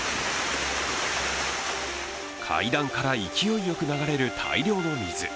階段から勢いよく流れる大量の水。